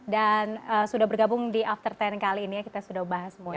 dan sudah bergabung di after sepuluh kali ini ya kita sudah bahas semuanya